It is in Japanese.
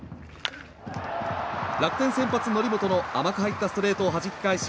楽天先発、則本の甘く入ったストレートをはじき返し